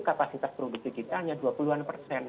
kapasitas produksi kita hanya dua puluh an persen